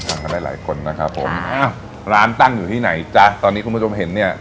กันได้หลายคนนะครับผมอ้าวร้านตั้งอยู่ที่ไหนจ๊ะตอนนี้คุณผู้ชมเห็นเนี่ย